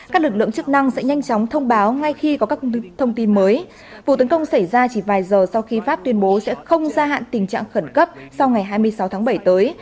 các lực lượng chức năng sẽ nhanh chóng thông báo ngay khi có các thông tin mới vụ tấn công xảy ra chỉ vài giờ sau khi pháp tuyên bố sẽ không gia hạn tình trạng khẩn cấp sau ngày hai mươi sáu tháng bảy tới